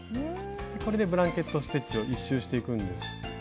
これでブランケット・ステッチを１周していくんです。